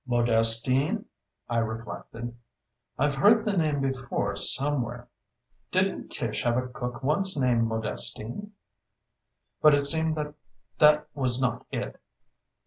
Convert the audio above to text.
"Modestine?" I reflected. "I've heard the name before somewhere. Didn't Tish have a cook once named Modestine?" But it seemed that that was not it.